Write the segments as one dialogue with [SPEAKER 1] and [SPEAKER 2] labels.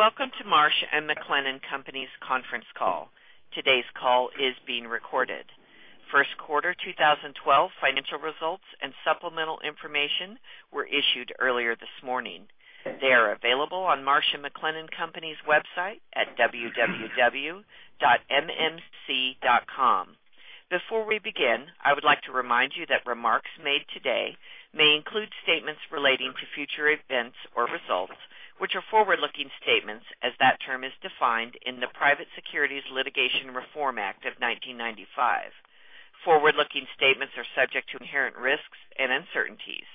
[SPEAKER 1] Welcome to Marsh & McLennan Companies conference call. Today's call is being recorded. First quarter 2012 financial results and supplemental information were issued earlier this morning. They are available on Marsh & McLennan Companies' website at www.mmc.com. Before we begin, I would like to remind you that remarks made today may include statements relating to future events or results, which are forward-looking statements as that term is defined in the Private Securities Litigation Reform Act of 1995. Forward-looking statements are subject to inherent risks and uncertainties.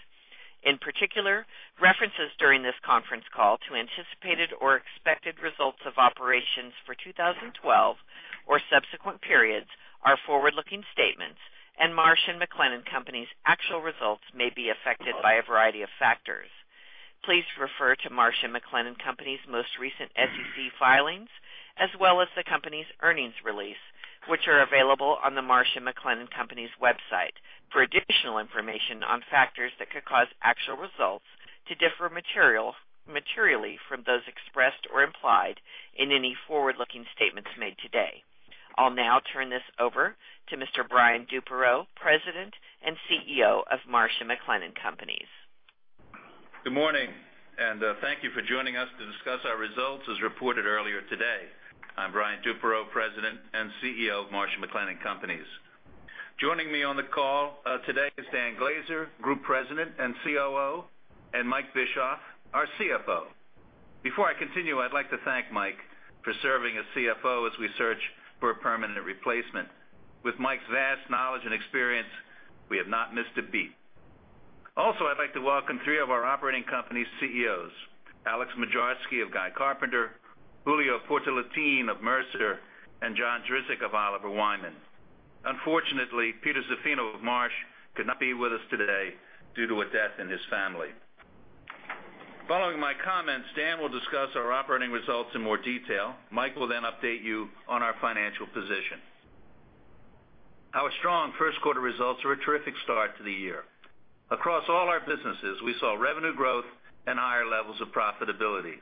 [SPEAKER 1] In particular, references during this conference call to anticipated or expected results of operations for 2012 or subsequent periods are forward-looking statements, and Marsh & McLennan Companies' actual results may be affected by a variety of factors. Please refer to Marsh & McLennan Companies' most recent SEC filings, as well as the company's earnings release, which are available on the Marsh & McLennan Companies' website for additional information on factors that could cause actual results to differ materially from those expressed or implied in any forward-looking statements made today. I'll now turn this over to Mr. Brian Duperrault, President and CEO of Marsh & McLennan Companies.
[SPEAKER 2] Good morning. Thank you for joining us to discuss our results as reported earlier today. I'm Brian Duperreault, President and CEO of Marsh & McLennan Companies. Joining me on the call today is Dan Glaser, Group President and COO, and Mike Bischoff, our CFO. Before I continue, I'd like to thank Mike for serving as CFO as we search for a permanent replacement. With Mike's vast knowledge and experience, we have not missed a beat. Also, I'd like to welcome three of our operating companies' CEOs, Alex Moczarski of Guy Carpenter, Julio Portalatin of Mercer, and John Drzik of Oliver Wyman. Unfortunately, Peter Zaffino of Marsh could not be with us today due to a death in his family. Following my comments, Dan will discuss our operating results in more detail. Mike will then update you on our financial position. Our strong first quarter results are a terrific start to the year. Across all our businesses, we saw revenue growth and higher levels of profitability.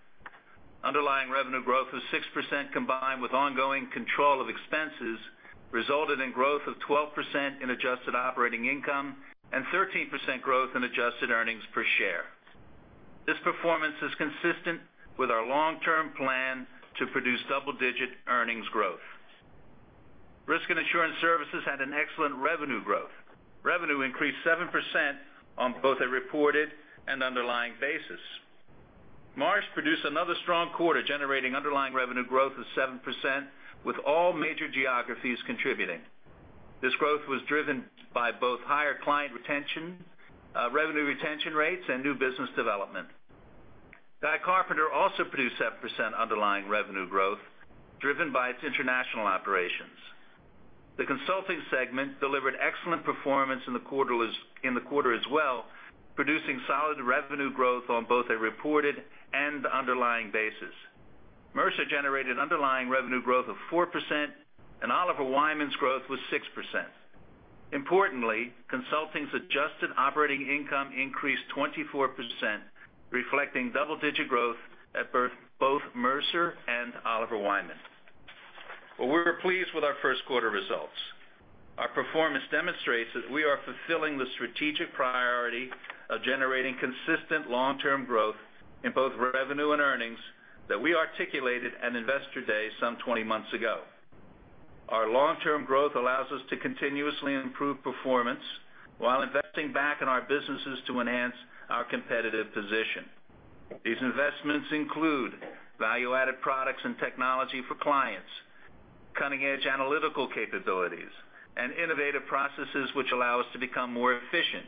[SPEAKER 2] Underlying revenue growth of 6% combined with ongoing control of expenses resulted in growth of 12% in adjusted operating income and 13% growth in adjusted earnings per share. This performance is consistent with our long-term plan to produce double-digit earnings growth. Risk and insurance services had an excellent revenue growth. Revenue increased 7% on both a reported and underlying basis. Marsh produced another strong quarter, generating underlying revenue growth of 7%, with all major geographies contributing. This growth was driven by both higher client revenue retention rates and new business development. Guy Carpenter also produced 7% underlying revenue growth, driven by its international operations. The consulting segment delivered excellent performance in the quarter as well, producing solid revenue growth on both a reported and underlying basis. Mercer generated underlying revenue growth of 4%, and Oliver Wyman's growth was 6%. Importantly, consulting's adjusted operating income increased 24%, reflecting double-digit growth at both Mercer and Oliver Wyman. We were pleased with our first quarter results. Our performance demonstrates that we are fulfilling the strategic priority of generating consistent long-term growth in both revenue and earnings that we articulated at Investor Day some 20 months ago. Our long-term growth allows us to continuously improve performance while investing back in our businesses to enhance our competitive position. These investments include value-added products and technology for clients, cutting-edge analytical capabilities, and innovative processes which allow us to become more efficient.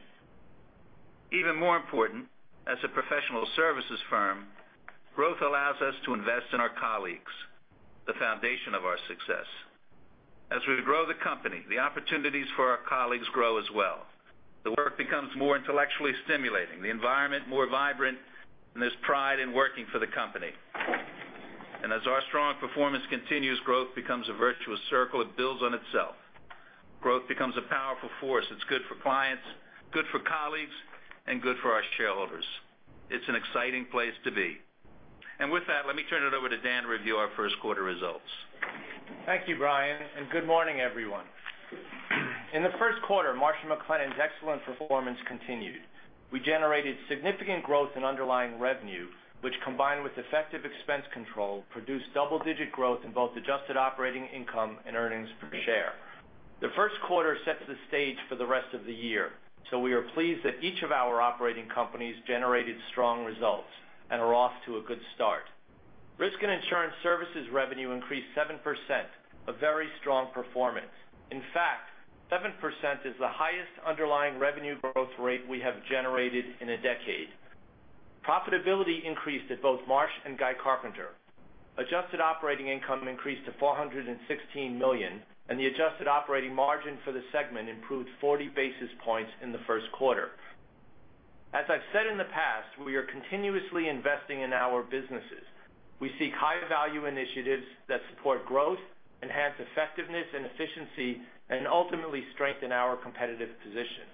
[SPEAKER 2] Even more important, as a professional services firm, growth allows us to invest in our colleagues, the foundation of our success. As we grow the company, the opportunities for our colleagues grow as well. The work becomes more intellectually stimulating, the environment more vibrant, and there's pride in working for the company. As our strong performance continues, growth becomes a virtuous circle. It builds on itself. Growth becomes a powerful force. It's good for clients, good for colleagues, and good for our shareholders. It's an exciting place to be. With that, let me turn it over to Dan to review our first quarter results.
[SPEAKER 3] Thank you, Brian, and good morning, everyone. In the first quarter, Marsh & McLennan's excellent performance continued. We generated significant growth in underlying revenue, which, combined with effective expense control, produced double-digit growth in both adjusted operating income and earnings per share. The first quarter sets the stage for the rest of the year, so we are pleased that each of our operating companies generated strong results and are off to a good start. Risk and insurance services revenue increased 7%, a very strong performance. In fact, 7% is the highest underlying revenue growth rate we have generated in a decade. Profitability increased at both Marsh and Guy Carpenter. Adjusted operating income increased to $416 million, and the adjusted operating margin for the segment improved 40 basis points in the first quarter. As I've said in the past, we are continuously investing in our businesses. We seek high-value initiatives that support growth, enhance effectiveness and efficiency, and ultimately strengthen our competitive position.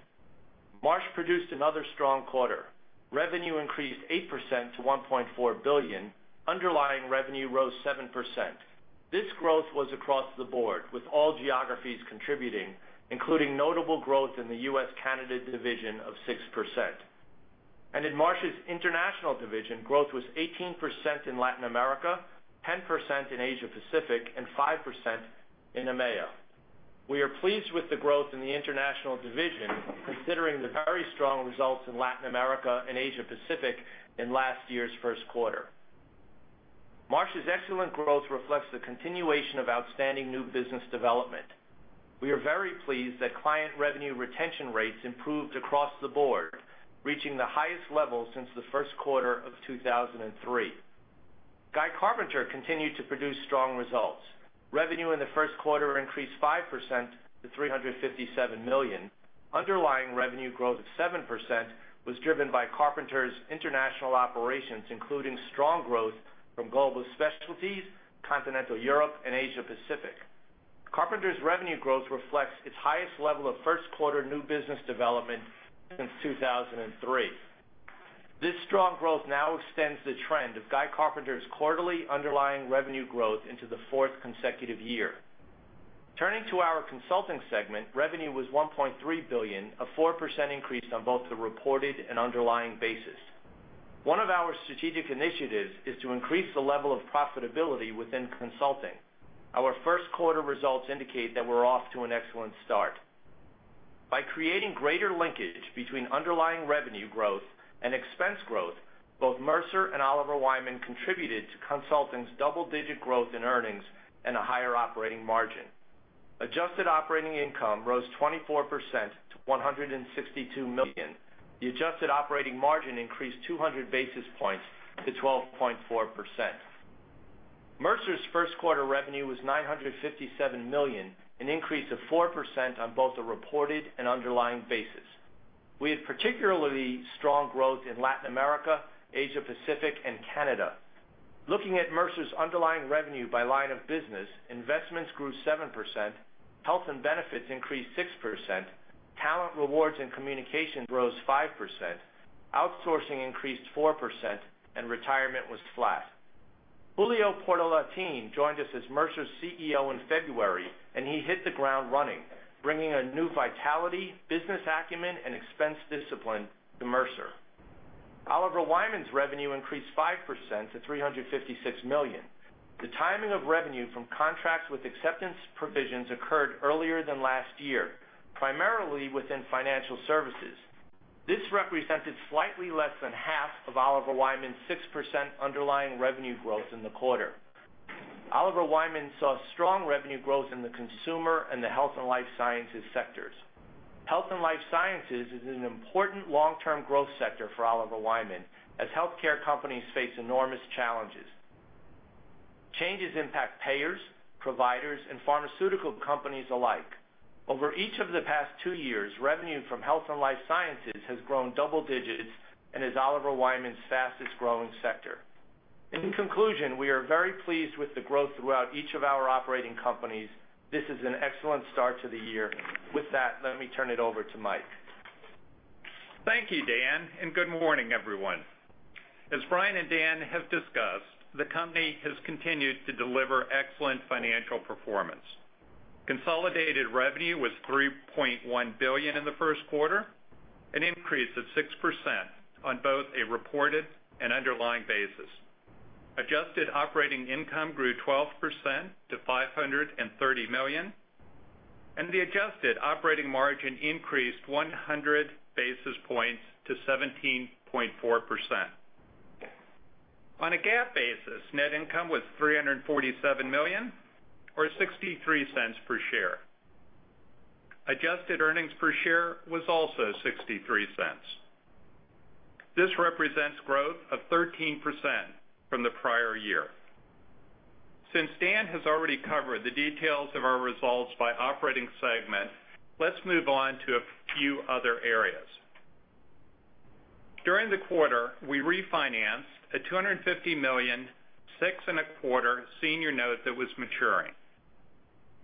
[SPEAKER 3] Marsh produced another strong quarter. Revenue increased 8% to $1.4 billion. Underlying revenue rose 7%. This growth was across the board, with all geographies contributing, including notable growth in the U.S. Canada division of 6%. In Marsh's international division, growth was 18% in Latin America, 10% in Asia Pacific, and 5% in EMEA. We are pleased with the growth in the international division, considering the very strong results in Latin America and Asia Pacific in last year's first quarter. Marsh's excellent growth reflects the continuation of outstanding new business development. We are very pleased that client revenue retention rates improved across the board, reaching the highest level since the first quarter of 2003. Guy Carpenter continued to produce strong results. Revenue in the first quarter increased 5% to $357 million. Underlying revenue growth of 7% was driven by Carpenter's international operations, including strong growth from global specialties, Continental Europe, and Asia Pacific. Carpenter's revenue growth reflects its highest level of first-quarter new business development since 2003. This strong growth now extends the trend of Guy Carpenter's quarterly underlying revenue growth into the fourth consecutive year. Turning to our consulting segment, revenue was $1.3 billion, a 4% increase on both the reported and underlying basis. One of our strategic initiatives is to increase the level of profitability within consulting. Our first quarter results indicate that we're off to an excellent start. By creating greater linkage between underlying revenue growth and expense growth, both Mercer and Oliver Wyman contributed to consulting's double-digit growth in earnings and a higher operating margin. Adjusted operating income rose 24% to $162 million. The adjusted operating margin increased 200 basis points to 12.4%. Mercer's first quarter revenue was $957 million, an increase of 4% on both a reported and underlying basis. We had particularly strong growth in Latin America, Asia Pacific, and Canada. Looking at Mercer's underlying revenue by line of business, investments grew 7%, health and benefits increased 6%, talent rewards and communication rose 5%, outsourcing increased 4%, and retirement was flat. Julio Portalatin joined us as Mercer's CEO in February, and he hit the ground running, bringing a new vitality, business acumen, and expense discipline to Mercer. Oliver Wyman's revenue increased 5% to $356 million. The timing of revenue from contracts with acceptance provisions occurred earlier than last year, primarily within financial services. This represented slightly less than half of Oliver Wyman's 6% underlying revenue growth in the quarter. Oliver Wyman saw strong revenue growth in the consumer and the health and life sciences sectors. Health and life sciences is an important long-term growth sector for Oliver Wyman, as healthcare companies face enormous challenges. Changes impact payers, providers, and pharmaceutical companies alike. Over each of the past two years, revenue from health and life sciences has grown double digits and is Oliver Wyman's fastest-growing sector. In conclusion, we are very pleased with the growth throughout each of our operating companies. This is an excellent start to the year. With that, let me turn it over to Mike.
[SPEAKER 4] Thank you, Dan, and good morning, everyone. As Brian and Dan have discussed, the company has continued to deliver excellent financial performance. Consolidated revenue was $3.1 billion in the first quarter, an increase of 6% on both a reported and underlying basis. Adjusted operating income grew 12% to $530 million, and the adjusted operating margin increased 100 basis points to 17.4%. On a GAAP basis, net income was $347 million or $0.63 per share. Adjusted earnings per share was also $0.63. This represents growth of 13% from the prior year. Since Dan has already covered the details of our results by operating segment, let's move on to a few other areas. During the quarter, we refinanced a $250 million, six and a quarter senior note that was maturing.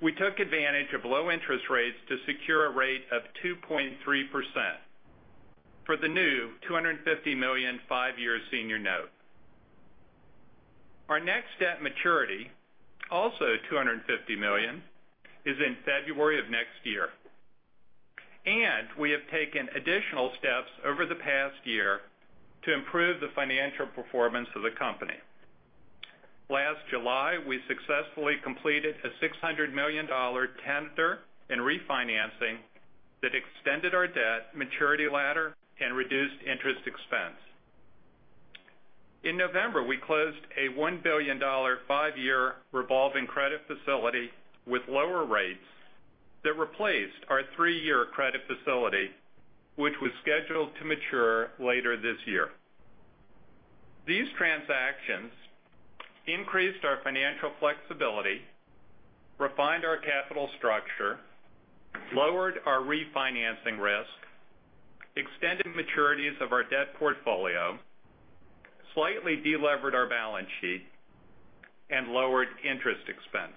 [SPEAKER 4] We took advantage of low interest rates to secure a rate of 2.3% for the new $250 million five-year senior note. Our next debt maturity, also $250 million, is in February of next year. We have taken additional steps over the past year to improve the financial performance of the company. Last July, we successfully completed a $600 million tender and refinancing that extended our debt maturity ladder and reduced interest expense. In November, we closed a $1 billion five-year revolving credit facility with lower rates that replaced our three-year credit facility, which was scheduled to mature later this year. These transactions increased our financial flexibility, refined our capital structure, lowered our refinancing risk, extended maturities of our debt portfolio, slightly delevered our balance sheet, and lowered interest expense.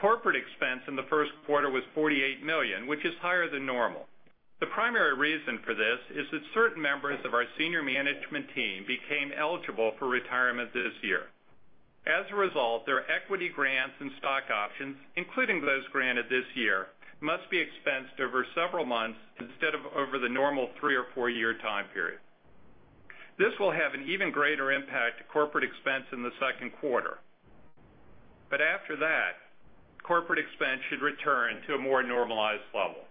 [SPEAKER 4] Corporate expense in the first quarter was $48 million, which is higher than normal. The primary reason for this is that certain members of our senior management team became eligible for retirement this year. As a result, their equity grants and stock options, including those granted this year, must be expensed over several months instead of over the normal three or four-year time period. This will have an even greater impact to corporate expense in the second quarter. After that, corporate expense should return to a more normalized level.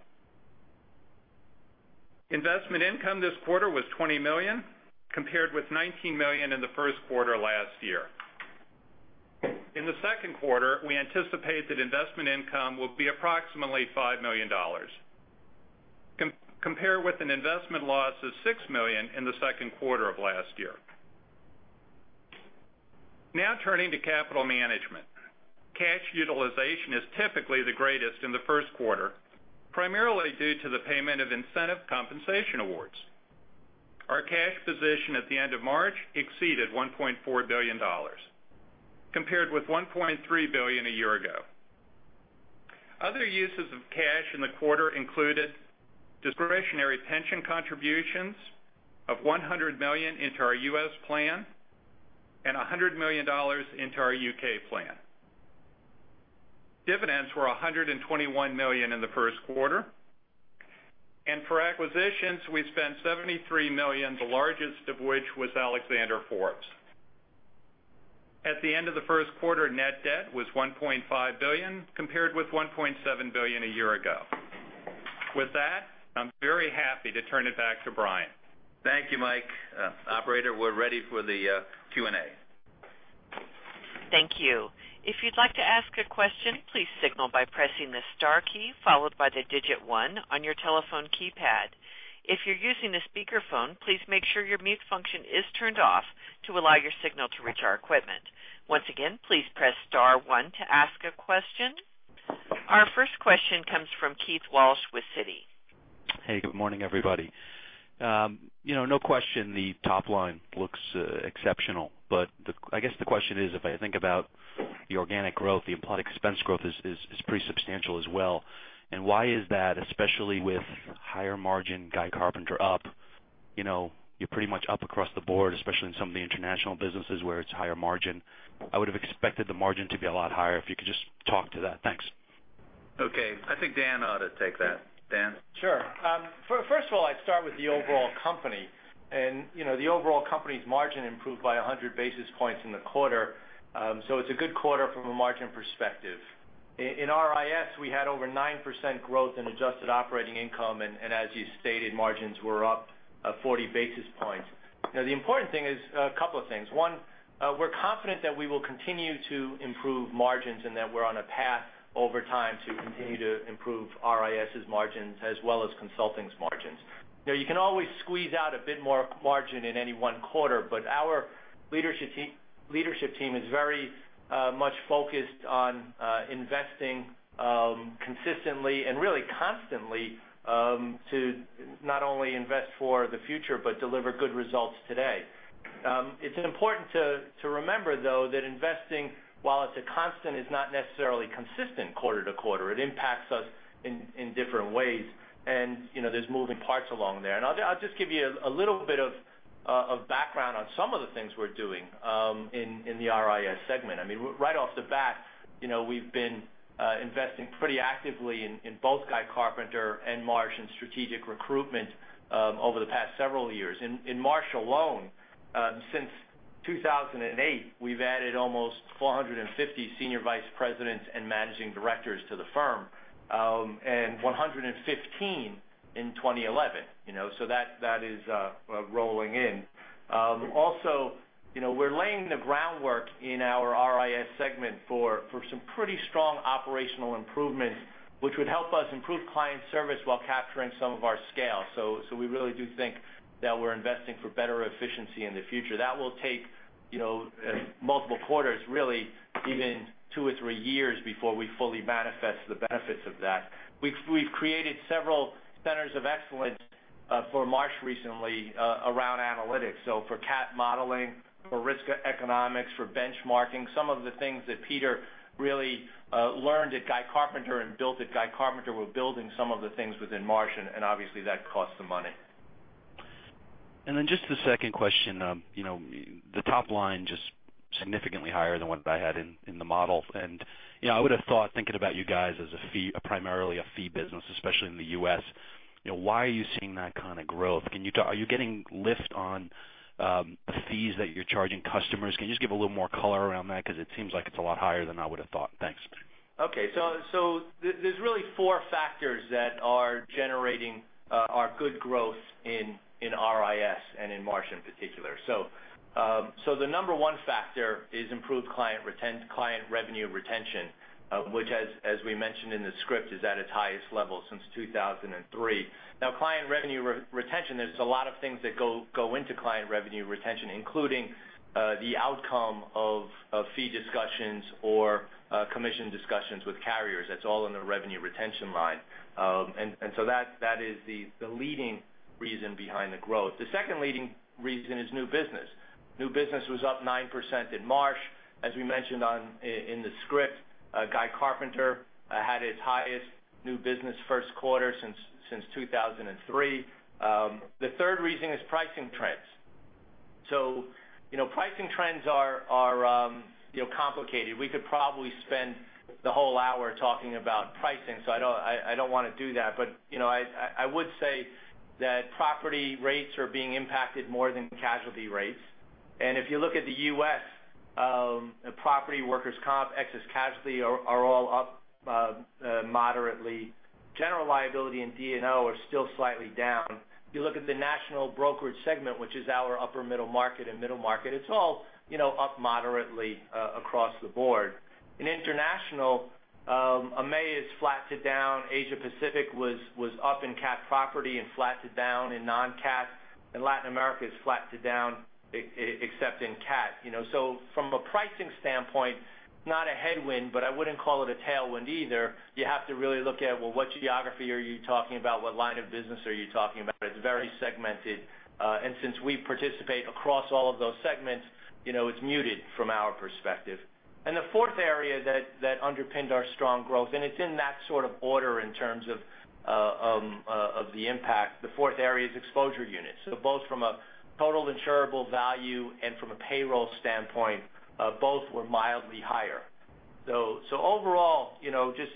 [SPEAKER 4] Investment income this quarter was $20 million, compared with $19 million in the first quarter last year. In the second quarter, we anticipate that investment income will be approximately $5 million, compared with an investment loss of $6 million in the second quarter of last year. Turning to capital management. Cash utilization is typically the greatest in the first quarter, primarily due to the payment of incentive compensation awards. Our cash position at the end of March exceeded $1.4 billion, compared with $1.3 billion a year ago. Other uses of cash in the quarter included discretionary pension contributions of $100 million into our U.S. plan and $100 million into our U.K. plan. Dividends were $121 million in the first quarter. For acquisitions, we spent $73 million, the largest of which was Alexander Forbes. At the end of the first quarter, net debt was $1.5 billion, compared with $1.7 billion a year ago. With that, I'm very happy to turn it back to Brian.
[SPEAKER 2] Thank you, Mike. Operator, we're ready for the Q&A.
[SPEAKER 1] Thank you. If you'd like to ask a question, please signal by pressing the star key followed by the digit 1 on your telephone keypad. If you're using a speakerphone, please make sure your mute function is turned off to allow your signal to reach our equipment. Once again, please press star 1 to ask a question. Our first question comes from Keith Walsh with Citi.
[SPEAKER 5] Hey, good morning, everybody. No question, the top line looks exceptional. I guess the question is, if I think about the organic growth, the implied expense growth is pretty substantial as well. Why is that, especially with higher margin Guy Carpenter up? You're pretty much up across the board, especially in some of the international businesses where it's higher margin. I would have expected the margin to be a lot higher, if you could just talk to that. Thanks.
[SPEAKER 2] Okay. I think Dan ought to take that. Dan?
[SPEAKER 3] Sure. First of all, I'd start with the overall company. The overall company's margin improved by 100 basis points in the quarter, so it's a good quarter from a margin perspective. In RIS, we had over 9% growth in adjusted operating income, as you stated, margins were up 40 basis points. The important thing is a couple of things. One, we're confident that we will continue to improve margins and that we're on a path over time to continue to improve RIS' margins, as well as Consulting's margins. You can always squeeze out a bit more margin in any one quarter, our leadership team is very much focused on investing consistently and really constantly to not only invest for the future but deliver good results today. It's important to remember, though, that investing, while it's a constant, is not necessarily consistent quarter to quarter. It impacts us in different ways, there's moving parts along there. I'll just give you a little bit of background on some of the things we're doing in the RIS segment. Right off the bat, we've been investing pretty actively in both Guy Carpenter and Marsh in strategic recruitment over the past several years. In Marsh alone, since 2008, we've added almost 450 senior vice presidents and managing directors to the firm, and 115 in 2011. That is rolling in. Also, we're laying the groundwork in our RIS segment for some pretty strong operational improvements, which would help us improve client service while capturing some of our scale. We really do think that we're investing for better efficiency in the future. That will take multiple quarters, really even two or three years before we fully manifest the benefits of that. We've created several centers of excellence for Marsh recently around analytics, for CAT modeling, for risk economics, for benchmarking. Some of the things that Peter really learned at Guy Carpenter and built at Guy Carpenter, we're building some of the things within Marsh. Obviously, that costs some money.
[SPEAKER 5] Just the second question. The top line, just significantly higher than what I had in the model. I would have thought, thinking about you guys as primarily a fee business, especially in the U.S., why are you seeing that kind of growth? Are you getting lift on fees that you're charging customers? Can you just give a little more color around that? It seems like it's a lot higher than I would have thought. Thanks.
[SPEAKER 3] Okay. There's really four factors that are generating our good growth in RIS, and in Marsh in particular. The number one factor is improved client revenue retention, which, as we mentioned in the script, is at its highest level since 2003. Now, client revenue retention, there's a lot of things that go into client revenue retention, including the outcome of fee discussions or commission discussions with carriers. That's all in the revenue retention line. That is the leading reason behind the growth. The second leading reason is new business. New business was up 9% in Marsh. As we mentioned in the script, Guy Carpenter had its highest new business first quarter since 2003. The third reason is pricing trends. Pricing trends are complicated. We could probably spend the whole hour talking about pricing, so I don't want to do that. I would say that property rates are being impacted more than casualty rates. If you look at the U.S., property workers' comp, excess casualty are all up moderately. General liability and D&O are still slightly down. If you look at the national brokerage segment, which is our upper middle market and middle market, it's all up moderately across the board. In international, EMEA is flat to down, Asia Pacific was up in cat property and flat to down in non-cat, and Latin America is flat to down except in cat. From a pricing standpoint, not a headwind, but I wouldn't call it a tailwind either. You have to really look at, well, what geography are you talking about? What line of business are you talking about? It's very segmented. Since we participate across all of those segments, it's muted from our perspective. The fourth area that underpinned our strong growth, and it's in that sort of order in terms of the impact, the fourth area is exposure units. Both from a total insurable value and from a payroll standpoint, both were mildly higher. Overall, just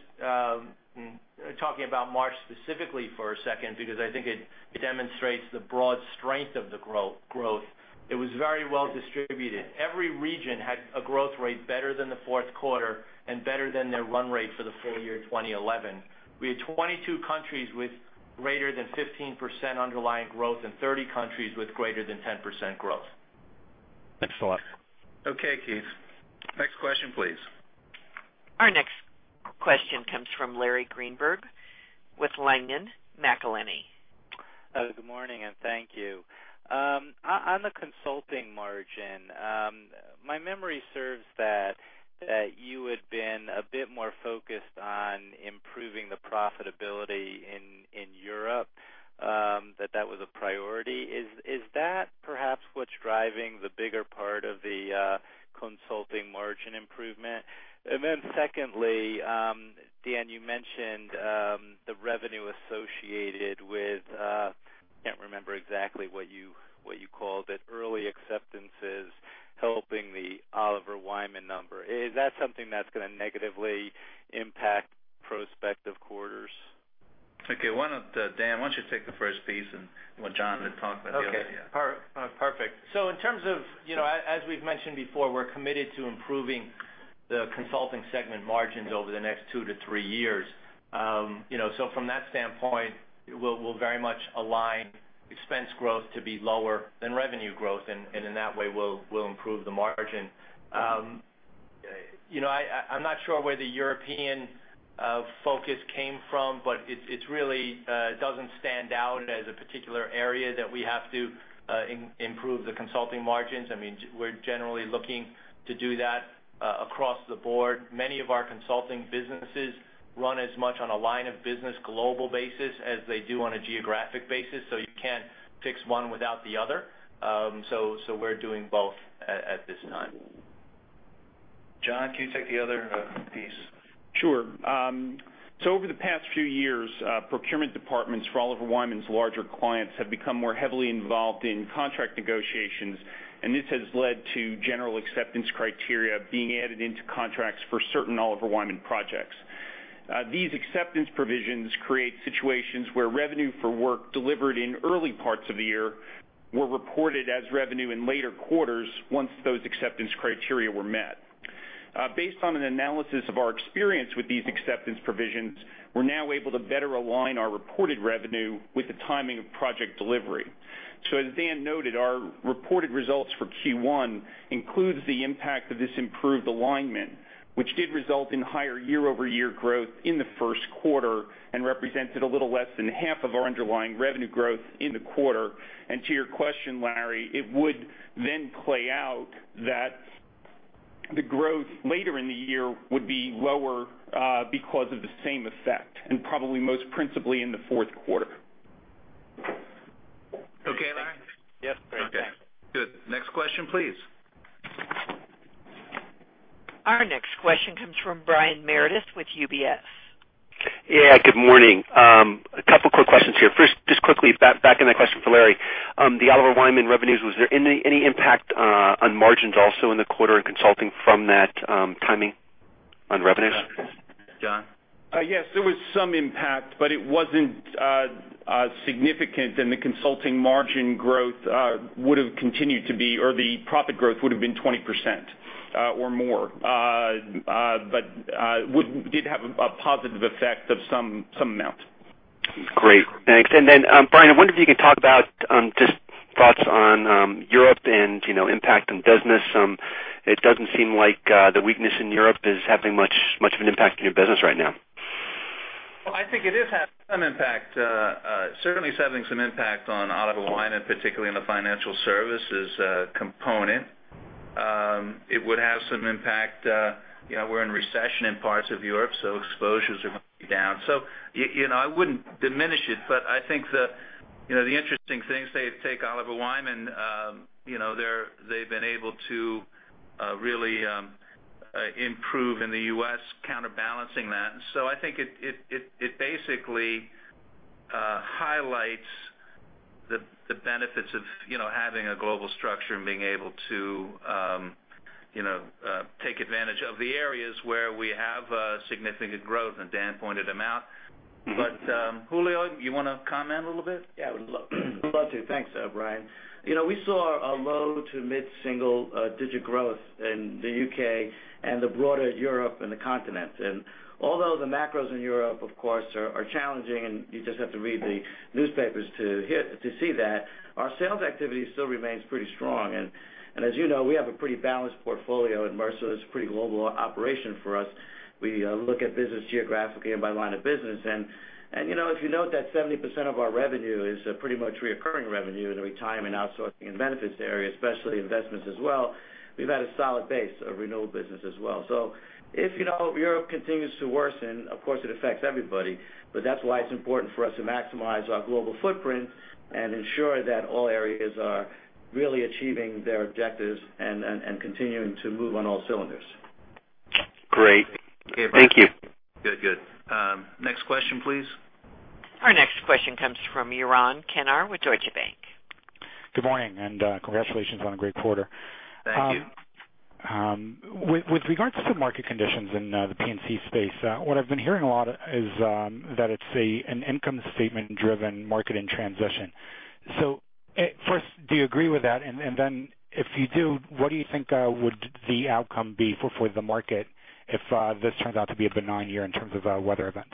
[SPEAKER 3] talking about Marsh specifically for a second, because I think it demonstrates the broad strength of the growth. It was very well distributed. Every region had a growth rate better than the fourth quarter and better than their run rate for the full year 2011. We had 22 countries with greater than 15% underlying growth and 30 countries with greater than 10% growth.
[SPEAKER 5] Thanks a lot.
[SPEAKER 2] Okay, Keith. Next question, please.
[SPEAKER 1] Our next question comes from Larry Greenberg with Langen McAlenney.
[SPEAKER 6] Good morning. Thank you. On the consulting margin, my memory serves that you had been a bit more focused on improving the profitability in Europe, that that was a priority. Is that perhaps what's driving the bigger part of the consulting margin improvement? Secondly, Dan, you mentioned the revenue associated with, I can't remember exactly what you called it, early acceptances helping the Oliver Wyman number. Is that something that's going to negatively impact prospective quarters?
[SPEAKER 2] Okay. Dan, why don't you take the first piece and want John to talk about the other? Yeah.
[SPEAKER 3] Okay. Perfect. As we've mentioned before, we're committed to improving the consulting segment margins over the next two to three years. From that standpoint, we'll very much align expense growth to be lower than revenue growth, and in that way, we'll improve the margin. I'm not sure where the European focus came from, it really doesn't stand out as a particular area that we have to improve the consulting margins. We're generally looking to do that across the board. Many of our consulting businesses run as much on a line of business global basis as they do on a geographic basis, you can't fix one without the other. We're doing both at this time.
[SPEAKER 2] John, can you take the other piece?
[SPEAKER 7] Sure. Over the past few years, procurement departments for Oliver Wyman's larger clients have become more heavily involved in contract negotiations, this has led to general acceptance criteria being added into contracts for certain Oliver Wyman projects. These acceptance provisions create situations where revenue for work delivered in early parts of the year were reported as revenue in later quarters once those acceptance criteria were met. Based on an analysis of our experience with these acceptance provisions, we're now able to better align our reported revenue with the timing of project delivery. As Dan noted, our reported results for Q1 includes the impact of this improved alignment, which did result in higher year-over-year growth in the first quarter and represented a little less than half of our underlying revenue growth in the quarter. To your question, Larry, it would then play out that the growth later in the year would be lower because of the same effect, and probably most principally in the fourth quarter.
[SPEAKER 2] Okay, Larry?
[SPEAKER 6] Yes. Great. Thanks.
[SPEAKER 2] Okay, good. Next question, please.
[SPEAKER 1] Our next question comes from Brian Meredith with UBS.
[SPEAKER 8] Yeah, good morning. A couple quick questions here. First, just quickly back on that question for Larry. The Oliver Wyman revenues, was there any impact on margins also in the quarter in consulting from that timing on revenues?
[SPEAKER 2] John?
[SPEAKER 7] Yes, there was some impact, but it wasn't significant, and the consulting margin growth would've continued to be, or the profit growth would've been 20% or more. It did have a positive effect of some amount.
[SPEAKER 8] Great. Thanks. Then Brian, I wonder if you can talk about just thoughts on Europe and impact on business. It doesn't seem like the weakness in Europe is having much of an impact on your business right now.
[SPEAKER 3] Well, I think it is having some impact. Certainly, it's having some impact on Oliver Wyman, particularly in the financial services component.
[SPEAKER 2] It would have some impact. We're in recession in parts of Europe, so exposures are going to be down. I wouldn't diminish it, but I think the interesting things, take Oliver Wyman, they've been able to really improve in the U.S., counterbalancing that. I think it basically highlights the benefits of having a global structure and being able to take advantage of the areas where we have significant growth, and Dan pointed them out. Julio, you want to comment a little bit?
[SPEAKER 9] Yeah, I would love to. Thanks, Brian. We saw a low to mid-single-digit growth in the U.K. and the broader Europe and the continent. Although the macros in Europe, of course, are challenging, and you just have to read the newspapers to see that, our sales activity still remains pretty strong. As you know, we have a pretty balanced portfolio at Mercer. It's a pretty global operation for us. We look at business geographically and by line of business, and if you note that 70% of our revenue is pretty much reoccurring revenue in the retirement outsourcing and benefits area, especially investments as well, we've had a solid base of renewal business as well. If Europe continues to worsen, of course it affects everybody, but that's why it's important for us to maximize our global footprint and ensure that all areas are really achieving their objectives and continuing to move on all cylinders.
[SPEAKER 8] Great. Thank you.
[SPEAKER 2] Good. Next question, please.
[SPEAKER 1] Our next question comes from Yaron Kinar with Deutsche Bank.
[SPEAKER 10] Good morning, congratulations on a great quarter.
[SPEAKER 2] Thank you.
[SPEAKER 10] With regards to market conditions in the P&C space, what I've been hearing a lot is that it's an income statement driven market in transition. First, do you agree with that? If you do, what do you think would the outcome be for the market if this turns out to be a benign year in terms of weather events?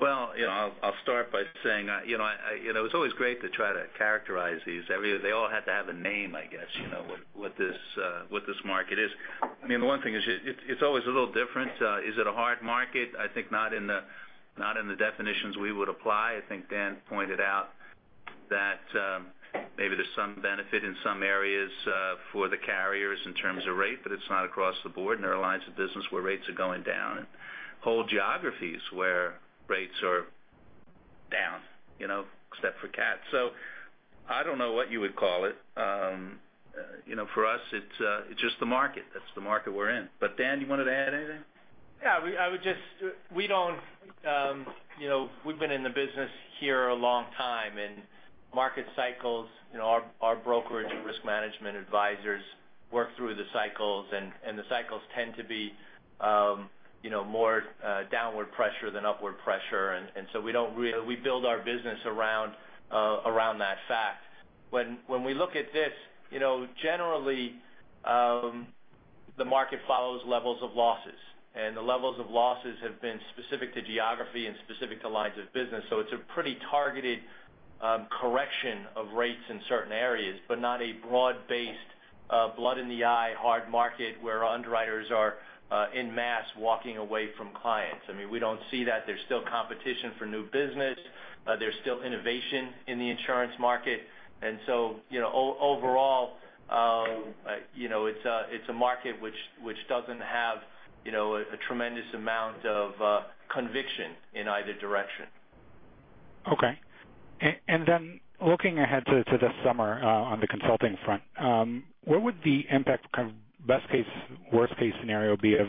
[SPEAKER 2] Well, I'll start by saying, it's always great to try to characterize these. They all have to have a name, I guess, what this market is. The one thing is, it's always a little different. Is it a hard market? I think not in the definitions we would apply. I think Dan pointed out that maybe there's some benefit in some areas for the carriers in terms of rate, it's not across the board. There are lines of business where rates are going down and whole geographies where rates are down, except for CAT. I don't know what you would call it. For us, it's just the market. That's the market we're in. Dan, you wanted to add anything?
[SPEAKER 3] Yeah. We've been in the business here a long time, and market cycles, our brokerage and risk management advisors work through the cycles, and the cycles tend to be more downward pressure than upward pressure. We build our business around that fact. When we look at this, generally, the market follows levels of losses, and the levels of losses have been specific to geography and specific to lines of business. It's a pretty targeted correction of rates in certain areas, but not a broad based blood in the eye hard market where underwriters are en masse walking away from clients. We don't see that. There's still competition for new business. There's still innovation in the insurance market. Overall, it's a market which doesn't have a tremendous amount of conviction in either direction.
[SPEAKER 10] Okay. Looking ahead to this summer on the consulting front, what would the impact, best case, worst case scenario be of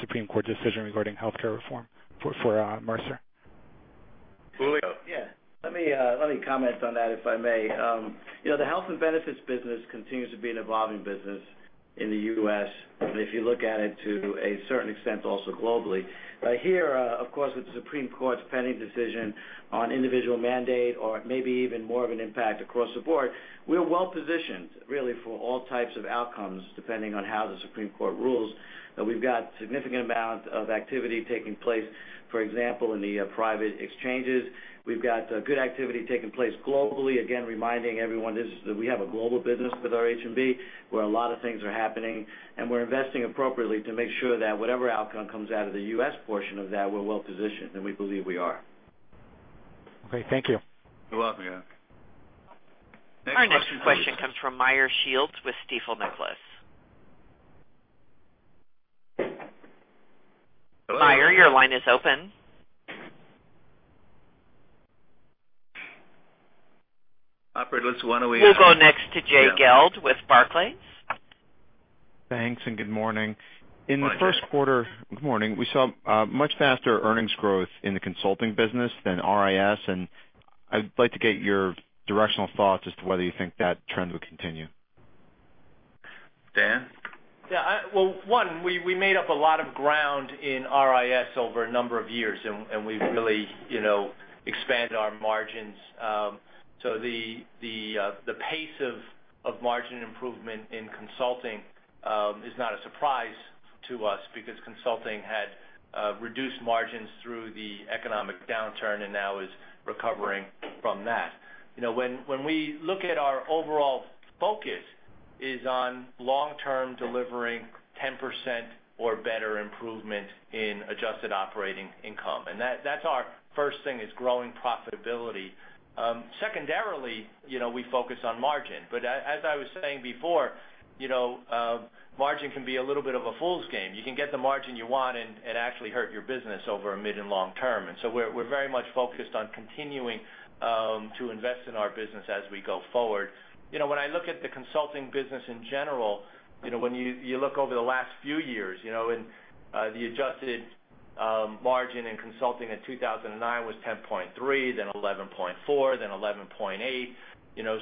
[SPEAKER 10] Supreme Court decision regarding healthcare reform for Mercer?
[SPEAKER 2] Julio?
[SPEAKER 9] Yeah. Let me comment on that, if I may. The health and benefits business continues to be an evolving business in the U.S., and if you look at it to a certain extent, also globally. Here, of course, with the Supreme Court's pending decision on individual mandate or maybe even more of an impact across the board, we're well-positioned, really, for all types of outcomes, depending on how the Supreme Court rules, that we've got significant amount of activity taking place, for example, in the private exchanges. We've got good activity taking place globally. Again, reminding everyone, we have a global business with our H&B where a lot of things are happening, and we're investing appropriately to make sure that whatever outcome comes out of the U.S. portion of that, we're well-positioned, and we believe we are.
[SPEAKER 10] Okay, thank you.
[SPEAKER 9] You're welcome.
[SPEAKER 2] Next question, please.
[SPEAKER 1] Our next question comes from Meyer Shields with Stifel Nicolaus.
[SPEAKER 2] Hello?
[SPEAKER 1] Meyer, your line is open.
[SPEAKER 2] Operator, let's want to-
[SPEAKER 1] We'll go next to Jay Gelb with Barclays.
[SPEAKER 11] Thanks, good morning.
[SPEAKER 2] Good morning, Jay.
[SPEAKER 11] In the first quarter, we saw much faster earnings growth in the consulting business than RIS. I'd like to get your directional thoughts as to whether you think that trend would continue.
[SPEAKER 2] Dan?
[SPEAKER 3] Yeah. Well, one, we made up a lot of ground in RIS over a number of years. We've really expanded our margins. The pace of margin improvement in consulting is not a surprise to us because consulting had reduced margins through the economic downturn and now is recovering from that. When we look at our overall focus Is on long-term delivering 10% or better improvement in adjusted operating income. That's our first thing is growing profitability. Secondarily, we focus on margin. As I was saying before, margin can be a little bit of a fool's game. You can get the margin you want and it actually hurt your business over a mid and long term. We're very much focused on continuing to invest in our business as we go forward. When I look at the consulting business in general, when you look over the last few years, the adjusted margin in consulting in 2009 was 10.3, then 11.4, then 11.8.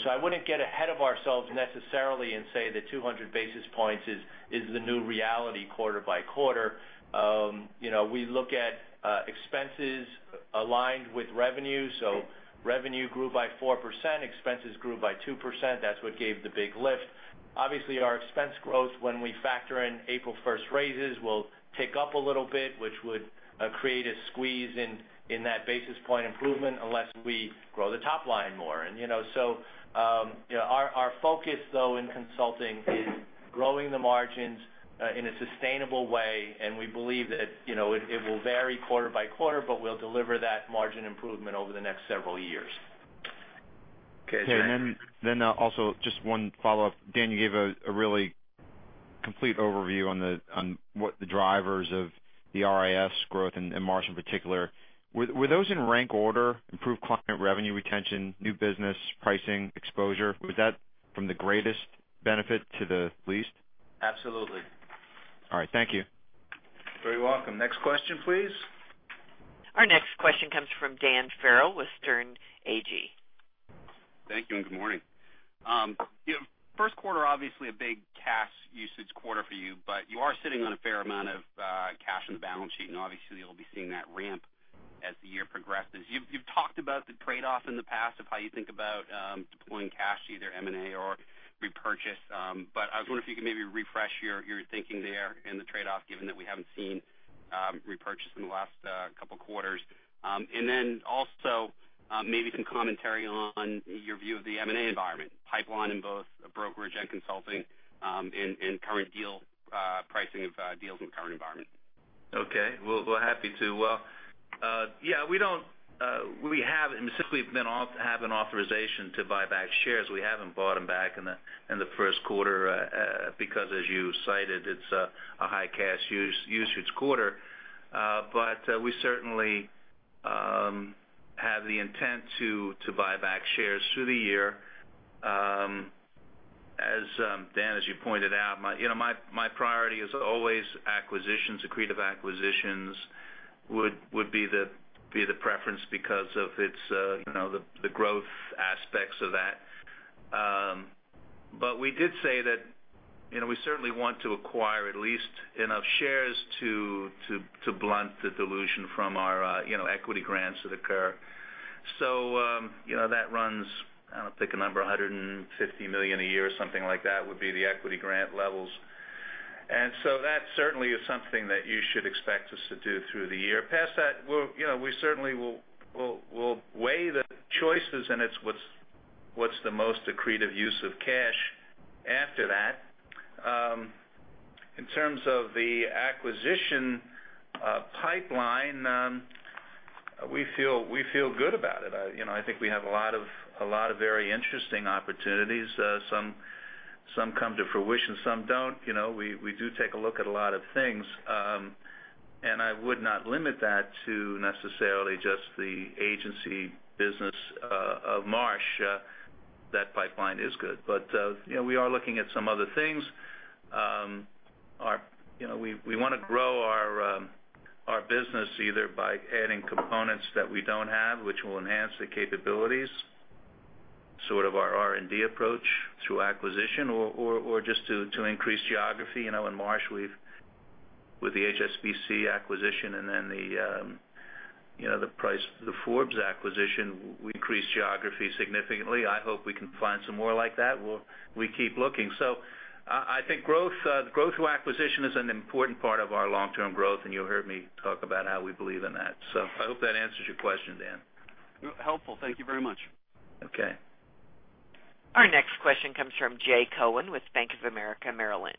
[SPEAKER 3] I wouldn't get ahead of ourselves necessarily and say that 200 basis points is the new reality quarter by quarter. We look at expenses aligned with revenue. Revenue grew by 4%, expenses grew by 2%. That's what gave the big lift. Obviously, our expense growth, when we factor in April 1st raises, will tick up a little bit, which would create a squeeze in that basis point improvement unless we grow the top line more. Our focus though in consulting is growing the margins in a sustainable way, and we believe that it will vary quarter by quarter, but we'll deliver that margin improvement over the next several years.
[SPEAKER 2] Okay, Jay.
[SPEAKER 11] Okay. Then also just one follow-up. Dan, you gave a really complete overview on what the drivers of the RIS growth in Marsh in particular. Were those in rank order, improved client revenue retention, new business pricing, exposure? Was that from the greatest benefit to the least?
[SPEAKER 3] Absolutely.
[SPEAKER 11] All right. Thank you.
[SPEAKER 3] Very welcome. Next question, please.
[SPEAKER 1] Our next question comes from Dan Farrell with Sterne Agee.
[SPEAKER 12] Thank you. Good morning. First quarter, obviously a big cash usage quarter for you. You are sitting on a fair amount of cash on the balance sheet, and obviously you'll be seeing that ramp as the year progresses. You've talked about the trade-off in the past of how you think about deploying cash, either M&A or repurchase. I was wondering if you could maybe refresh your thinking there and the trade-off, given that we haven't seen repurchase in the last couple of quarters. Then also maybe some commentary on your view of the M&A environment pipeline in both brokerage and consulting, and current pricing of deals in the current environment.
[SPEAKER 3] Okay. We're happy to. Well, specifically, we have an authorization to buy back shares. We haven't bought them back in the first quarter because, as you cited, it's a high cash usage quarter. We certainly have the intent to buy back shares through the year. Dan, as you pointed out, my priority is always acquisitions. Accretive acquisitions would be the preference because of the growth aspects of that. We did say that we certainly want to acquire at least enough shares to blunt the dilution from our equity grants that occur. That runs, I don't know, pick a number, $150 million a year or something like that would be the equity grant levels. That certainly is something that you should expect us to do through the year. Past that, we certainly will weigh the choices and what's the most accretive use of cash after that. In terms of the acquisition pipeline, we feel good about it. I think we have a lot of very interesting opportunities. Some come to fruition, some don't. We do take a look at a lot of things, and I would not limit that to necessarily just the agency business of Marsh. That pipeline is good, but we are looking at some other things. We want to grow our business either by adding components that we don't have, which will enhance the capabilities, sort of our R&D approach through acquisition or just to increase geography. In Marsh, with the HSBC acquisition and then the Forbes acquisition, we increased geography significantly. I hope we can find some more like that. We keep looking. I think growth through acquisition is an important part of our long-term growth, and you heard me talk about how we believe in that. I hope that answers your question, Dan.
[SPEAKER 12] Helpful. Thank you very much.
[SPEAKER 3] Okay.
[SPEAKER 1] Our next question comes from Jay Cohen with Bank of America Merrill Lynch.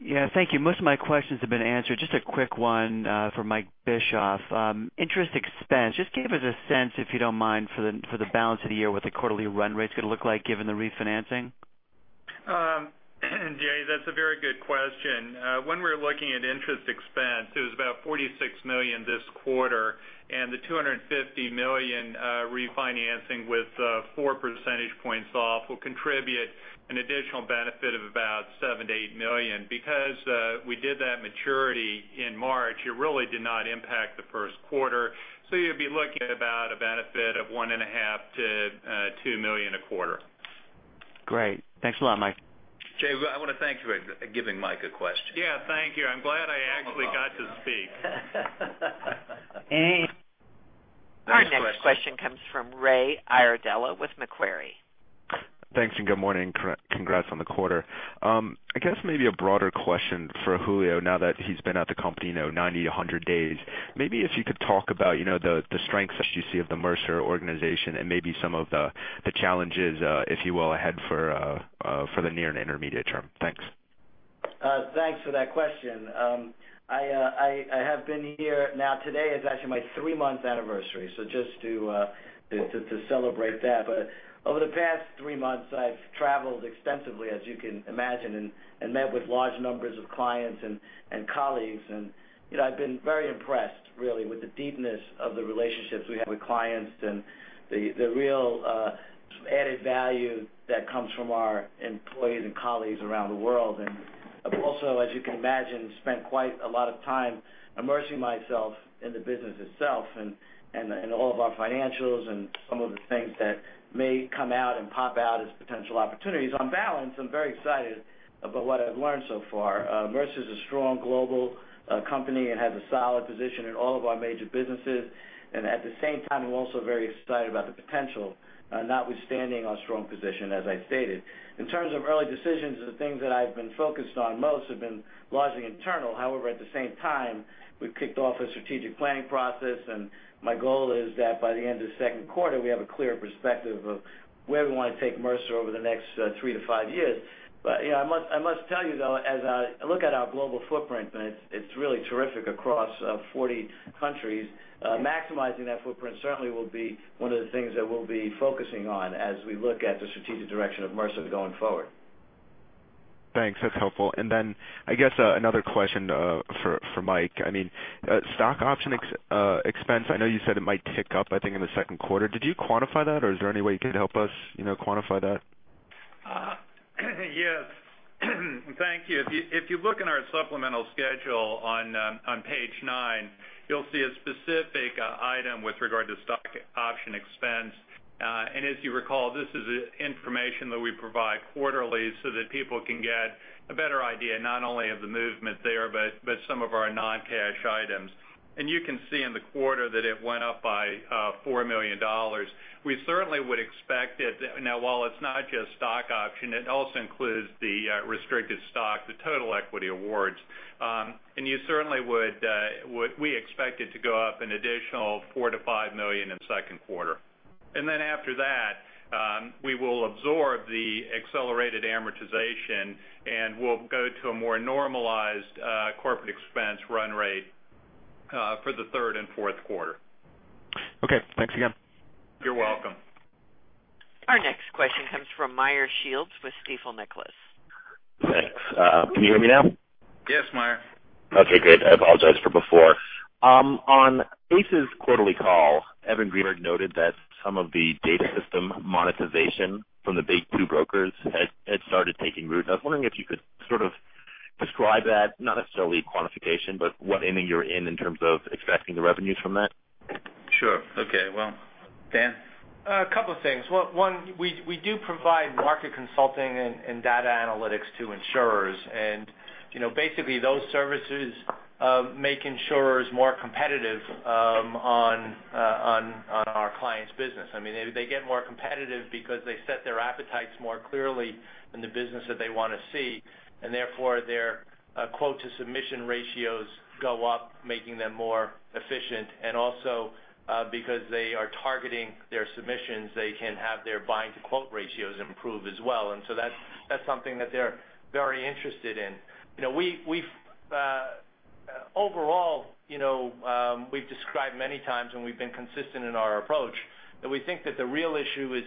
[SPEAKER 13] Yeah, thank you. Most of my questions have been answered. Just a quick one for Mike Bischoff. Interest expense, just give us a sense, if you don't mind, for the balance of the year, what the quarterly run rate's going to look like given the refinancing.
[SPEAKER 4] Jay, that's a very good question. When we're looking at interest expense, it was about $46 million this quarter, and the $250 million refinancing with four percentage points off will contribute an additional benefit of about $7 million-$8 million. You'd be looking at about a benefit of $one and a half million to $2 million a quarter.
[SPEAKER 13] Great. Thanks a lot, Mike.
[SPEAKER 3] Jay, I want to thank you for giving Mike a question.
[SPEAKER 4] Yeah, thank you. I'm glad I actually got to speak.
[SPEAKER 1] Our next question comes from Raymond Iardella with Macquarie.
[SPEAKER 14] Thanks and good morning. Congrats on the quarter. I guess maybe a broader question for Julio now that he's been at the company 90 to 100 days. Maybe if you could talk about the strengths that you see of the Mercer organization and maybe some of the challenges, if you will, ahead for the near and intermediate term. Thanks.
[SPEAKER 9] Thanks for that question. I have been here, now today is actually my three-month anniversary, just to celebrate that. Over the past three months, I've traveled extensively, as you can imagine, and met with large numbers of clients and colleagues. I've been very impressed, really, with the deepness of the relationships we have with clients and the real added value that comes from our employees and colleagues around the world. Also, as you can imagine, spent quite a lot of time immersing myself in the business itself and all of our financials and some of the things that may come out and pop out as potential opportunities. On balance, I'm very excited about what I've learned so far. Mercer's a strong global company and has a solid position in all of our major businesses. At the same time, I'm also very excited about the potential, notwithstanding our strong position, as I stated. In terms of early decisions and the things that I've been focused on most have been largely internal. However, at the same time, we've kicked off a strategic planning process, and my goal is that by the end of the second quarter, we have a clear perspective of where we want to take Mercer over the next three to five years. I must tell you, though, as I look at our global footprint, and it's really terrific across 40 countries, maximizing that footprint certainly will be one of the things that we'll be focusing on as we look at the strategic direction of Mercer going forward.
[SPEAKER 14] Thanks. That's helpful. Then I guess another question for Mike. Stock option expense, I know you said it might tick up, I think, in the second quarter. Did you quantify that, or is there any way you could help us quantify that?
[SPEAKER 4] Yes. Thank you. If you look in our supplemental schedule on page nine, you'll see a specific item with regard to stock option expense. As you recall, this is information that we provide quarterly so that people can get a better idea not only of the movement there, but some of our non-cash items. You can see in the quarter that it went up by $4 million. We certainly would expect it, now while it's not just stock option, it also includes the restricted stock, the total equity awards. We expect it to go up an additional $4 million-$5 million in the second quarter. Then after that, we will absorb the accelerated amortization, and we'll go to a more normalized corporate expense run rate for the third and fourth quarter.
[SPEAKER 14] Okay, thanks again.
[SPEAKER 4] You're welcome.
[SPEAKER 1] Our next question comes from Meyer Shields with Stifel Nicolaus.
[SPEAKER 15] Thanks. Can you hear me now?
[SPEAKER 4] Yes, Meyer.
[SPEAKER 15] Okay, great. I apologize for before. On ACE's quarterly call, Evan Greenberg noted that some of the data system monetization from the big two brokers had started taking root. I was wondering if you could sort of describe that, not necessarily quantification, but what inning you're in terms of extracting the revenues from that.
[SPEAKER 3] Sure. Okay. Well, Dan? A couple of things. One, we do provide market consulting and data analytics to insurers. Basically, those services make insurers more competitive on our clients' business. They get more competitive because they set their appetites more clearly in the business that they want to see, and therefore, their quote-to-submission ratios go up, making them more efficient, and also because they are targeting their submissions, they can have their bind-to-quote ratios improve as well. That's something that they're very interested in. Overall, we've described many times and we've been consistent in our approach, that we think that the real issue is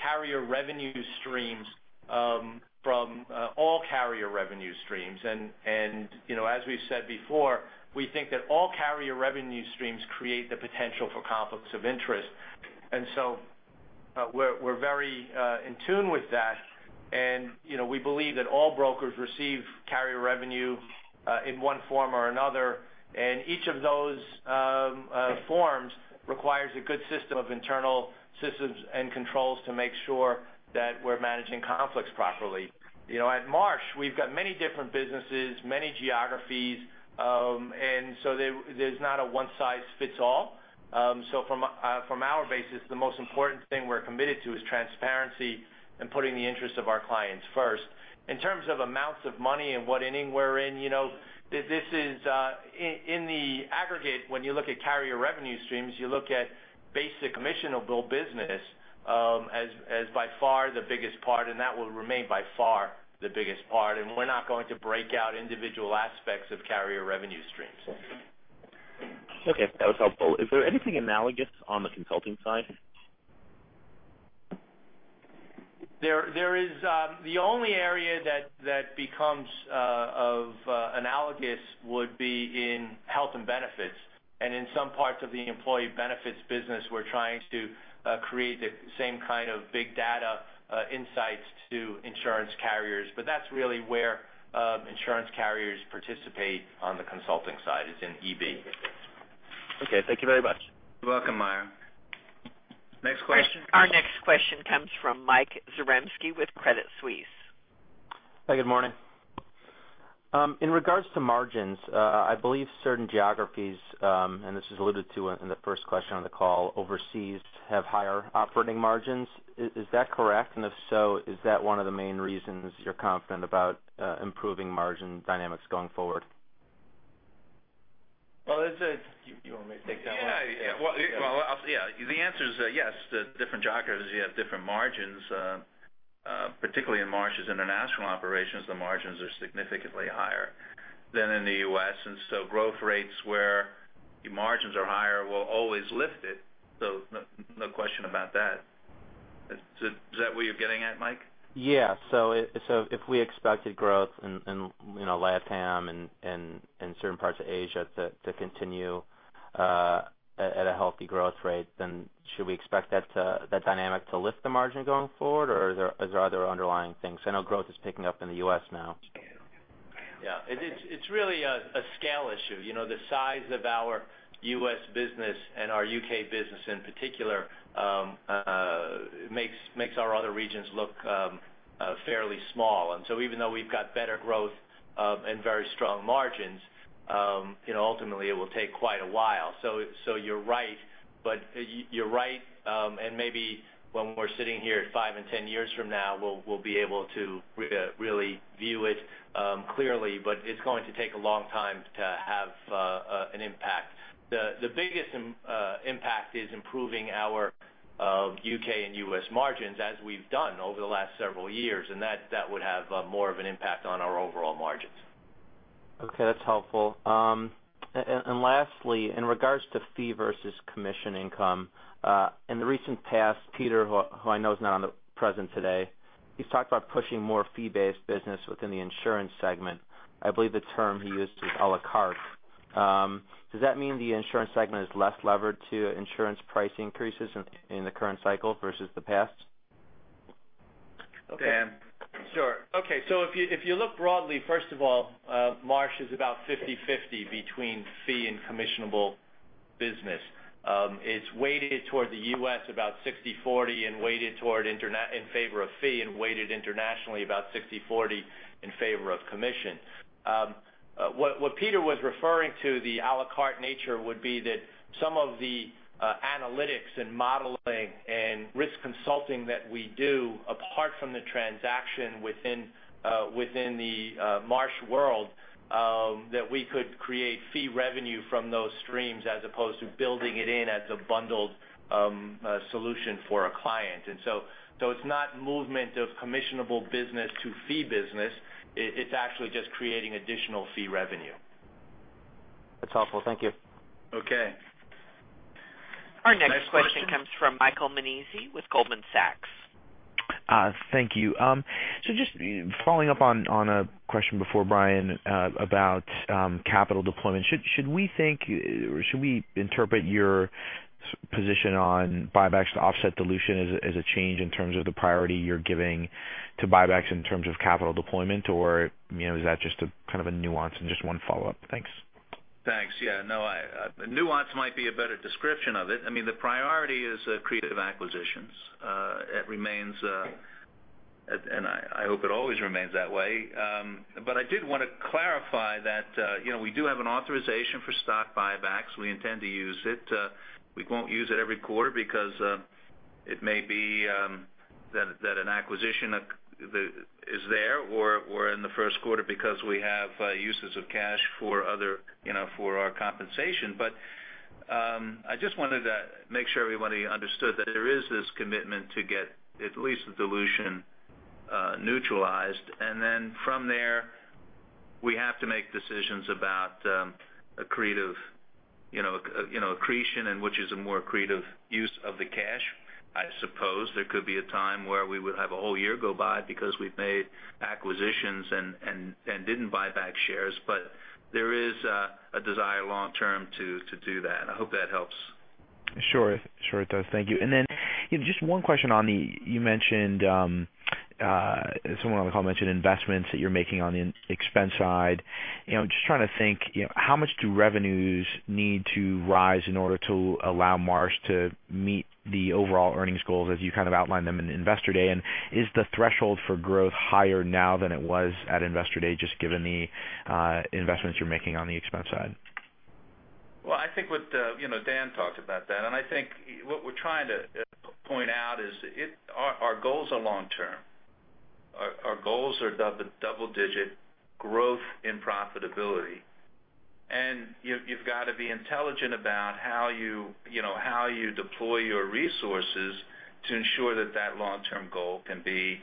[SPEAKER 3] carrier revenue streams from all carrier revenue streams. As we've said before, we think that all carrier revenue streams create the potential for conflicts of interest.
[SPEAKER 4] We're very in tune with that, and we believe that all brokers receive carrier revenue in one form or another, and each of those forms requires a good system of internal systems and controls to make sure that we're managing conflicts properly. At Marsh, we've got many different businesses, many geographies, and so there's not a one size fits all. From our basis, the most important thing we're committed to is transparency and putting the interests of our clients first. In terms of amounts of money and what inning we're in the aggregate, when you look at carrier revenue streams, you look at basic commissionable business as by far the biggest part, and that will remain by far the biggest part. We're not going to break out individual aspects of carrier revenue streams.
[SPEAKER 15] Okay. That was helpful. Is there anything analogous on the consulting side?
[SPEAKER 3] The only area that becomes analogous would be in health and benefits. In some parts of the employee benefits business, we're trying to create the same kind of big data insights to insurance carriers. That's really where insurance carriers participate on the consulting side, is in EB.
[SPEAKER 15] Okay. Thank you very much.
[SPEAKER 3] You're welcome, Meyer. Next question.
[SPEAKER 1] Our next question comes from Michael Zaremski with Credit Suisse.
[SPEAKER 16] Good morning. In regards to margins, I believe certain geographies, and this is alluded to in the first question on the call, overseas have higher operating margins. Is that correct? If so, is that one of the main reasons you're confident about improving margin dynamics going forward? You want me to take that one?
[SPEAKER 3] Yeah. Well, the answer is yes. The different geographies, you have different margins. Particularly in Marsh's international operations, the margins are significantly higher than in the U.S. Growth rates where your margins are higher will always lift it, no question about that. Is that what you're getting at, Mike?
[SPEAKER 16] If we expected growth in LATAM and certain parts of Asia to continue at a healthy growth rate, then should we expect that dynamic to lift the margin going forward, or are there other underlying things? I know growth is picking up in the U.S. now.
[SPEAKER 3] Yeah. It's really a scale issue. The size of our U.S. business and our U.K. business in particular, makes our other regions look fairly small. Even though we've got better growth and very strong margins, ultimately it will take quite a while. You're right, and maybe when we're sitting here five and 10 years from now, we'll be able to really view it clearly, but it's going to take a long time to have an impact. The biggest impact is improving our U.K. and U.S. margins as we've done over the last several years, and that would have more of an impact on our overall margins.
[SPEAKER 16] Okay. That's helpful. Lastly, in regards to fee versus commission income, in the recent past, Peter, who I know is not present today, he's talked about pushing more fee-based business within the insurance segment. I believe the term he used was à la carte. Does that mean the insurance segment is less levered to insurance price increases in the current cycle versus the past?
[SPEAKER 2] Dan?
[SPEAKER 3] Sure. Okay, if you look broadly, first of all, Marsh is about 50/50 between fee and commissionable business. It's weighted toward the U.S. about 60/40 in favor of fee, and weighted internationally about 60/40 in favor of commission. What Peter was referring to, the à la carte nature, would be that some of the analytics and modeling and risk consulting that we do, apart from the transaction within the Marsh world, that we could create fee revenue from those streams, as opposed to building it in as a bundled solution for a client. It's not movement of commissionable business to fee business. It's actually just creating additional fee revenue.
[SPEAKER 16] That's helpful. Thank you.
[SPEAKER 2] Okay.
[SPEAKER 1] Our next question comes from Michael Nannizzi with Goldman Sachs.
[SPEAKER 17] Thank you. Just following up on a question before, Brian, about capital deployment. Should we interpret your position on buybacks to offset dilution as a change in terms of the priority you're giving to buybacks in terms of capital deployment, or is that just a nuance? Just one follow-up. Thanks.
[SPEAKER 2] Thanks. Yeah, no, nuance might be a better description of it. The priority is accretive acquisitions. It remains, and I hope it always remains that way. I did want to clarify that we do have an authorization for stock buybacks. We intend to use it. We won't use it every quarter because it may be that an acquisition is there, or in the first quarter because we have uses of cash for our compensation. I just wanted to make sure everybody understood that there is this commitment to get at least the dilution neutralized. From there, we have to make decisions about accretion and which is a more accretive use of the cash. I suppose there could be a time where we would have a whole year go by because we've made acquisitions and didn't buy back shares. There is a desire long term to do that. I hope that helps.
[SPEAKER 17] Sure it does. Thank you. Just one question on the Someone on the call mentioned investments that you're making on the expense side. Just trying to think, how much do revenues need to rise in order to allow Marsh to meet the overall earnings goals as you outlined them in the Investor Day? Is the threshold for growth higher now than it was at Investor Day, just given the investments you're making on the expense side?
[SPEAKER 2] Well, Dan talked about that, and I think what we're trying to point out is our goals are long term. Our goals are double-digit growth and profitability. You've got to be intelligent about how you deploy your resources to ensure that that long-term goal can be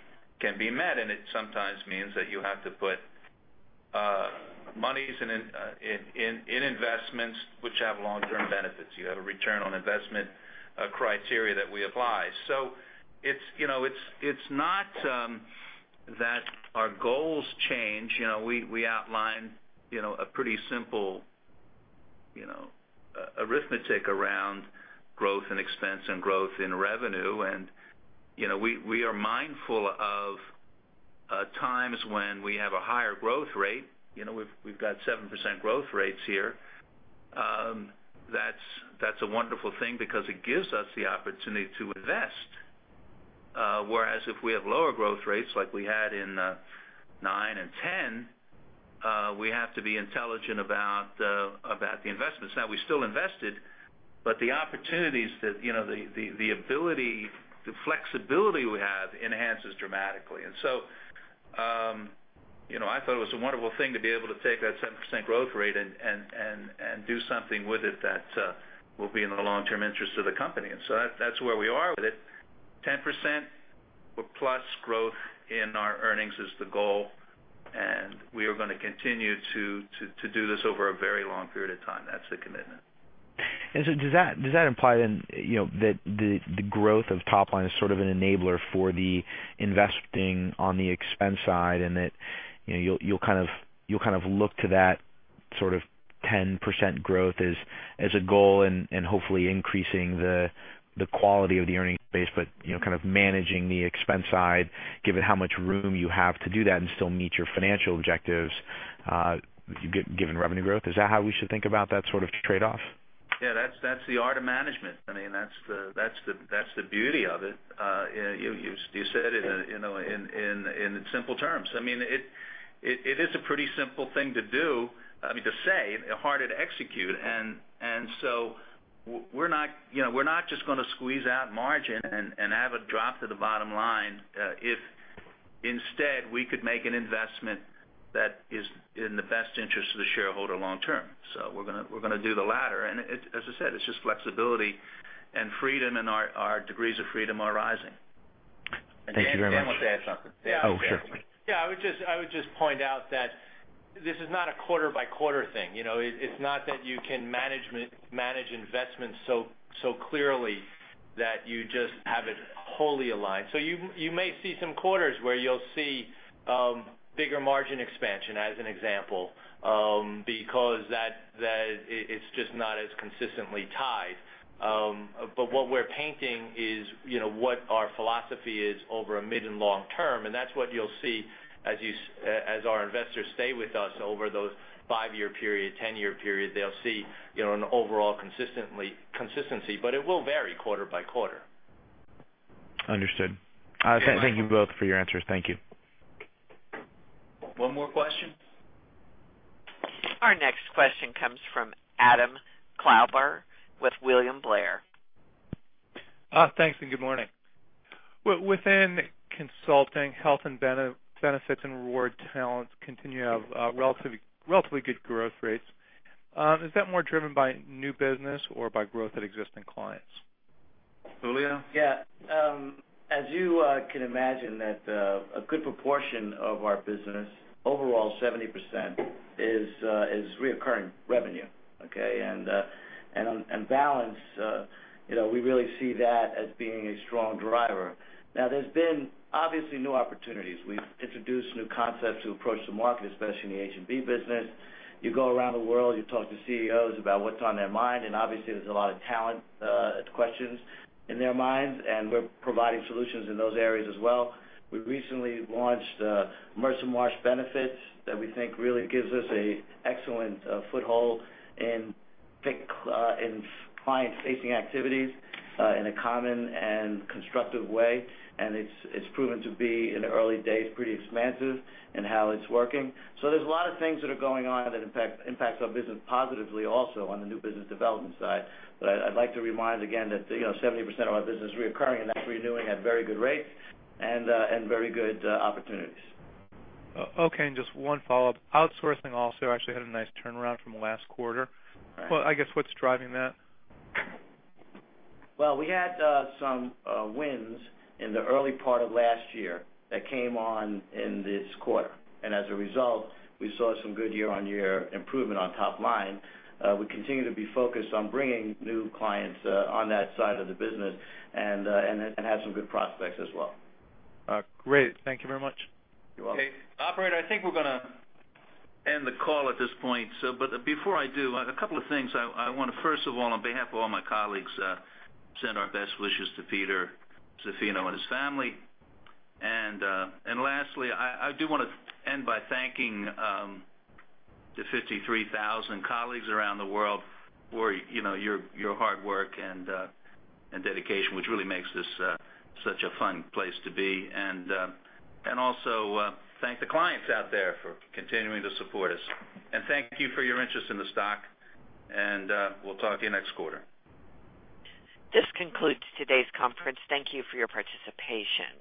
[SPEAKER 2] met. It sometimes means that you have to put monies in investments which have long-term benefits. You have a return on investment criteria that we apply. It's not that our goals change. We outlined a pretty simple arithmetic around growth and expense and growth in revenue, and we are mindful of times when we have a higher growth rate. We've got 7% growth rates here. That's a wonderful thing because it gives us the opportunity to invest. Whereas if we have lower growth rates like we had in 2009 and 2010, we have to be intelligent about the investments. Now, we still invested. The opportunities, the ability, the flexibility we have enhances dramatically. I thought it was a wonderful thing to be able to take that 7% growth rate and do something with it that will be in the long-term interest of the company. That's where we are with it. 10% or plus growth in our earnings is the goal, and we are going to continue to do this over a very long period of time. That's the commitment.
[SPEAKER 17] Does that imply then that the growth of top line is sort of an enabler for the investing on the expense side and that you'll look to that sort of 10% growth as a goal and hopefully increasing the quality of the earning base, but kind of managing the expense side, given how much room you have to do that and still meet your financial objectives given revenue growth? Is that how we should think about that sort of trade-off?
[SPEAKER 2] That's the art of management. That's the beauty of it. You said it in simple terms. It is a pretty simple thing to say, harder to execute. We're not just going to squeeze out margin and have it drop to the bottom line if instead we could make an investment that is in the best interest of the shareholder long-term. We're going to do the latter. As I said, it's just flexibility and freedom, and our degrees of freedom are rising.
[SPEAKER 17] Thank you very much.
[SPEAKER 2] Dan wants to add something.
[SPEAKER 17] Sure.
[SPEAKER 3] I would just point out that this is not a quarter-by-quarter thing. It's not that you can manage investments so clearly that you just have it wholly aligned. You may see some quarters where you'll see bigger margin expansion, as an example, because it's just not as consistently tied. What we're painting is what our philosophy is over a mid and long term, and that's what you'll see as our investors stay with us over those five-year period, 10-year period. They'll see an overall consistency, but it will vary quarter by quarter.
[SPEAKER 17] Understood. Thank you both for your answers. Thank you.
[SPEAKER 2] One more question.
[SPEAKER 1] Our next question comes from Adam Klauber with William Blair.
[SPEAKER 18] Thanks. Good morning. Within consulting Health & Benefits and reward talent continue to have relatively good growth rates. Is that more driven by new business or by growth at existing clients?
[SPEAKER 2] Julio?
[SPEAKER 9] Yeah. As you can imagine that a good proportion of our business, overall 70%, is recurring revenue. Okay. Balance, we really see that as being a strong driver. There's been obviously new opportunities. We've introduced new concepts to approach the market, especially in the H&B business. You go around the world, you talk to CEOs about what's on their mind, and obviously, there's a lot of talent questions in their minds, and we're providing solutions in those areas as well. We recently launched Mercer Marsh Benefits that we think really gives us an excellent foothold in client-facing activities in a common and constructive way. It's proven to be, in the early days, pretty expansive in how it's working. There's a lot of things that are going on that impacts our business positively also on the new business development side. I'd like to remind again that 70% of our business is recurring, and that's renewing at very good rates and very good opportunities.
[SPEAKER 18] Okay, just one follow-up. Outsourcing also actually had a nice turnaround from last quarter.
[SPEAKER 9] Right.
[SPEAKER 18] I guess, what's driving that?
[SPEAKER 9] Well, we had some wins in the early part of last year that came on in this quarter, and as a result, we saw some good year-on-year improvement on top line. We continue to be focused on bringing new clients on that side of the business and have some good prospects as well.
[SPEAKER 18] Great. Thank you very much.
[SPEAKER 9] You're welcome.
[SPEAKER 2] Okay. Operator, I think we're going to end the call at this point. Before I do, a couple of things. I want to, first of all, on behalf of all my colleagues, send our best wishes to Peter Zaffino and his family. Lastly, I do want to end by thanking the 53,000 colleagues around the world for your hard work and dedication, which really makes this such a fun place to be, and also thank the clients out there for continuing to support us. Thank you for your interest in the stock, and we'll talk to you next quarter.
[SPEAKER 1] This concludes today's conference. Thank you for your participation.